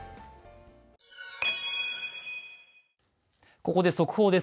ここで速報です。